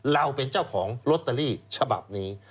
เราเป็นเจ้าของลอตเตอรี่ฉบับนี้